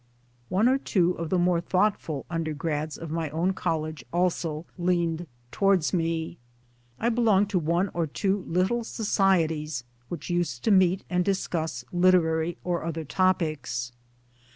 One or two of the more thoughtful undergracls of my own College also leaned towards me. I belonged to one or two little societies which used to meet and discuss literary or other topics.